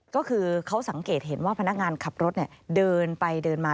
ก็คือเขาสังเกตเห็นว่าพนักงานขับรถเดินไปเดินมา